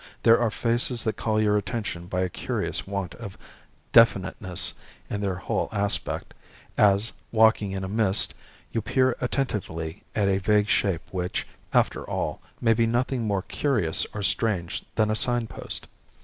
There are faces that call your attention by a curious want of definiteness in their whole aspect, as, walking in a mist, you peer attentively at a vague shape which, after all, may be nothing more curious or strange than a signpost.